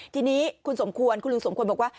ทีนี้คุณสมควรคุณลุงสมควรบอกว่า